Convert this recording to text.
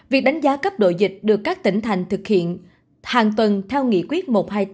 việc đánh giá cấp độ dịch được các tỉnh thành thực hiện hàng tuần theo nghị quyết một trăm hai mươi tám